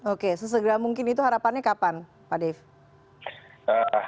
oke sesegera mungkin itu harapannya kapan pak dave